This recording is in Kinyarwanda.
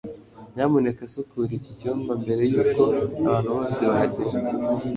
nyamuneka sukura iki cyumba mbere yuko abantu bose bahagera